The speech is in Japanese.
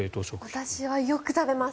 私はよく食べます。